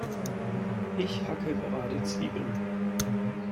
Ich hacke gerade Zwiebeln.